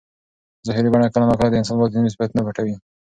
ظاهري بڼه کله ناکله د انسان باطني صفتونه پټوي.